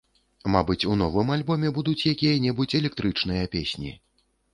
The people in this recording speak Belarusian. Мабыць, у новым альбоме будуць якія-небудзь электрычныя песні.